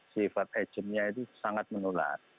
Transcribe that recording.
sifat agentnya itu sangat menular